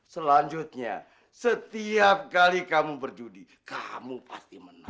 selanjutnya setiap kali kamu berjudi kamu pasti menang